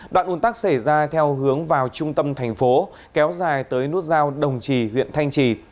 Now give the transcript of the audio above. đoạn ủn tắc xảy ra theo hướng vào trung tâm thành phố kéo dài tới nút giao đồng trì huyện thanh trì